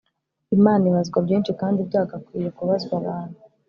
Imana ibazwa byinshi kandi byagakwiye kubazwa abantu